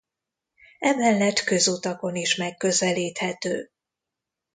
Emellett közutakon is megközelíthető.